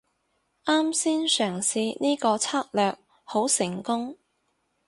啱先嘗試呢個策略好成功